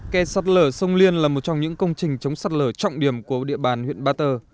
khe sắt lở sông liên là một trong những công trình chống sắt lở trọng điểm của địa bàn huyện ba tơ